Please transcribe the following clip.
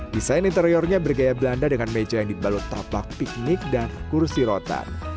desain interiornya bergaya belanda dengan meja yang dibalut tapak piknik dan kursi rotan